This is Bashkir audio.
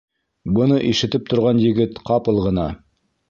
Быны ишетеп торған егет ҡапыл ғына: